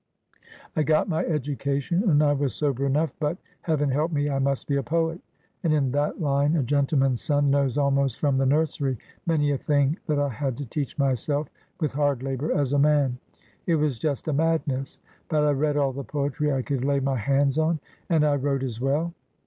I got my education, and I was sober enough, but—Heaven help me—I must be a poet, and in that line a gentleman's son knows almost from the nursery many a thing that I had to teach myself with hard labor as a man. It was just a madness. But I read all the poetry I could lay my hands on, and I wrote as well."